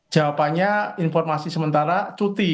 jawabannya informasi sementara cuti